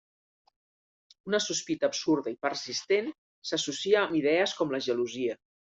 Una sospita absurda i persistent, s'associa amb idees com la gelosia.